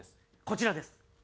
こちらです。